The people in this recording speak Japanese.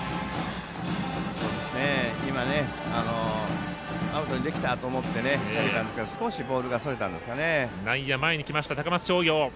今、アウトにできたと思ったんですけど少しボールがそれたんですかね。